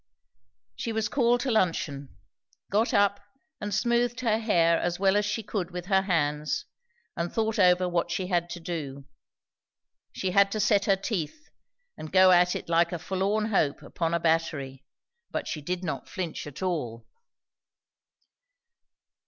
She was called to luncheon; got up and smoothed her hair as well as she could with her hands, and thought over what she had to do. She had to set her teeth and go at it like a forlorn hope upon a battery, but she did not flinch at all.